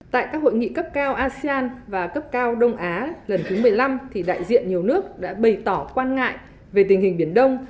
tại các hội nghị cấp cao asean và cấp cao đông á lần thứ một mươi năm đại diện nhiều nước đã bày tỏ quan ngại về tình hình biển đông